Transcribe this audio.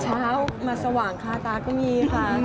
เช้ามาสว่างคาตาก็มีค่ะ